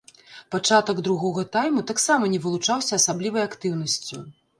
Пачатак другога тайму таксама не вылучаўся асаблівай актыўнасцю.